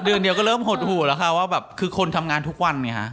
เดือนเดียวก็เริ่มหดหูแล้วค่ะว่าแบบคือคนทำงานทุกวันไงฮะ